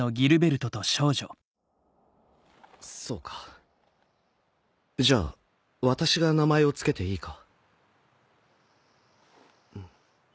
そうかじゃあ私が名前を付けていいか？